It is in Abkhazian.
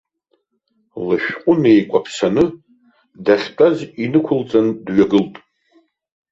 Лышәҟәы неикәаԥсаны дахьтәаз инықәылҵан, дҩагылт.